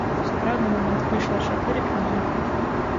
У сапраўдны момант выйшла чатыры кнігі.